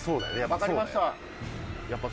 分かりました。